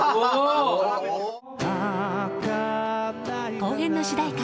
後編の主題歌